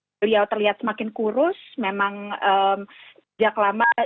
beliau terlihat semakin kurus memang sejak lama